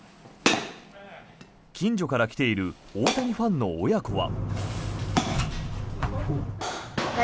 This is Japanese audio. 近所から来ている大谷ファンの親子は。